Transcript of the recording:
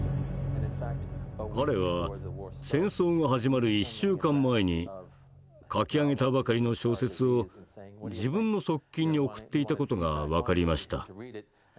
彼は戦争が始まる１週間前に書き上げたばかりの小説を自分の側近に送っていた事が分かりました。